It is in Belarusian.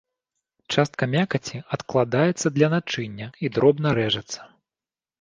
Частка мякаці адкладаецца для начыння і дробна рэжацца.